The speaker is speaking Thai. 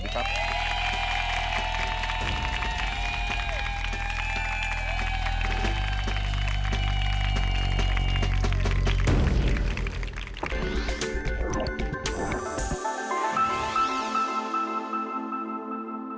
สวัสดีครับ